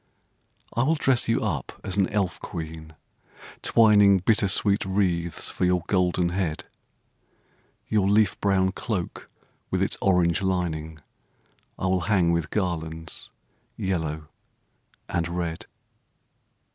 I will dress you up as an elf queen, twining Bittersweet wreaths for your golden head. Your leaf brown cloak with its orange lining I will hang with garlands yellow and red.